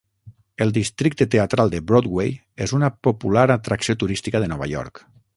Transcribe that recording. El districte teatral de Broadway és una popular atracció turística de Nova York.